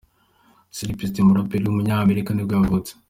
Styles P, umuraperi w’umunyamerika nibwo yavutse.